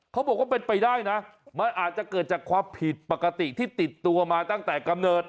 เขาบอกว่าเป็นไปได้จะเขิดจากศพปกติที่ติดตัวมาตั้งแต่กำเนิด